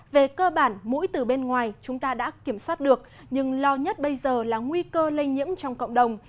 về cơ bản mũi từ bên ngoài chúng ta đã kiểm soát được nhưng lo nhất bây giờ là nguy cơ lây nhiễm trong cộng đồng